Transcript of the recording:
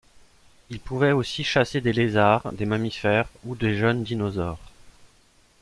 Il pouvait aussi chasser des lézards, des mammifères ou des jeunes dinosaures.